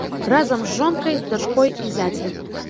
Разам з жонкай, дачкой і зяцем.